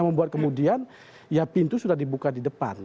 membuat kemudian ya pintu sudah dibuka di depan